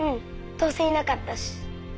どうせいなかったし！